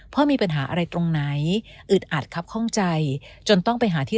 พ่อมีปัญหาอะไรตรงไหนอึดอัดครับข้องใจจนต้องไปหาที่